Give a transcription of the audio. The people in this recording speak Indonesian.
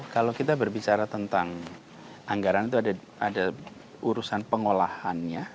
kalau kita berbicara tentang anggaran itu ada urusan pengolahannya